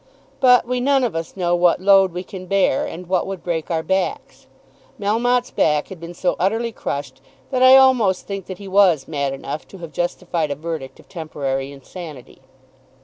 But we none of us know what load we can bear, and what would break our backs. Melmotte's back had been so utterly crushed that I almost think that he was mad enough to have justified a verdict of temporary insanity.